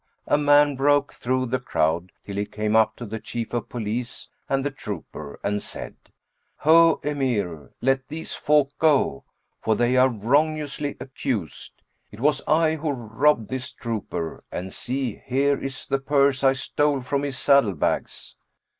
a man broke through the crowd till he came up to the Chief of Police and the trooper and said; "Ho! Emir, let these folk go, for they are wrongously accused. It was I who robbed this trooper, and see, here is the purse I stole from his saddle bags."